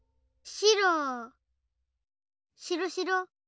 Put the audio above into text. しろしろ。